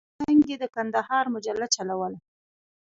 پر څنګ یې د کندهار مجله چلوله.